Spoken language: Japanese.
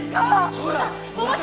そうだ！